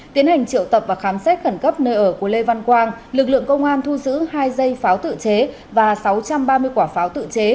tiến hành triệu tập và khám xét khẩn cấp nơi ở của lê văn quang lực lượng công an thu giữ hai dây pháo tự chế và sáu trăm ba mươi quả pháo tự chế